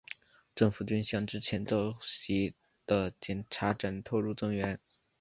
政府军向之前遭袭的检查站投入增援。